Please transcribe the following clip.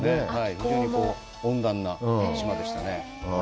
非常に温暖な島でしたね。